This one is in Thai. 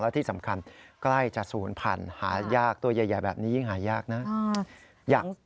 ที่สำคัญใกล้จะศูนย์พันธุ์หายากตัวใหญ่แบบนี้ยิ่งหายากนะ